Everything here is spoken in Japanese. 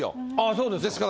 そうですか。